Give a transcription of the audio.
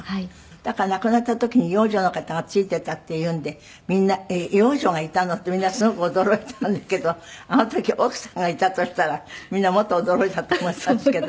だから亡くなった時に養女の方がついていたっていうのでみんなえっ養女がいたの？ってみんなすごく驚いたんだけどあの時奥さんがいたとしたらみんなもっと驚いたと思いますけど。